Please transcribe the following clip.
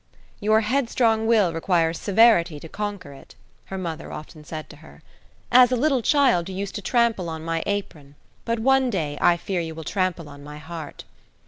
"Your headstrong will requires severity to conquer it," her mother often said to her. "As a little child you used to trample on my apron, but one day I fear you will trample on my heart."